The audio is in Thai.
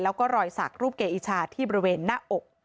แล้วก็รอยสักรูปเกอิชาที่บริเวณหน้าอก